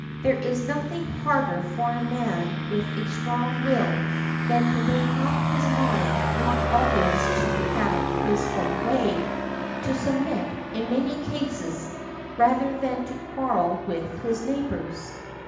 There is nothing harder for a man with a strong will than to make up his mind not always to have his own way; to submit, in many cases, rather than to quarrel with his neighbors.